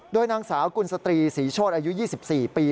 โดยนางสาวกุลสตรีศรีโชธอายุ๒๔ปี